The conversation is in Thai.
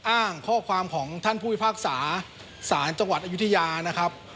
อ้างข้อความของท่านผู้พิพากษาสารจังหวัดอายุทยานะครับ